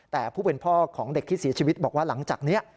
แต่ผู้เป็นพ่อของเด็กที่เสียชีวิตบอกว่าหลังจากนี้